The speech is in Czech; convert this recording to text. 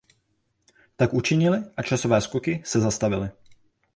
Tak učinili a časové skoky se zastavily.